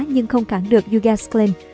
nhưng không cản được dugasclin